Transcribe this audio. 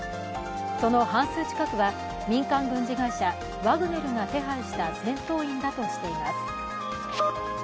その半数近くは民間軍事会社ワグネルが手配した戦闘員だとしています。